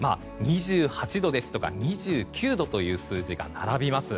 ２８度とか２９度という数字が並びます。